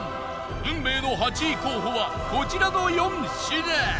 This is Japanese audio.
運命の８位候補はこちらの４品